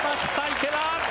池田。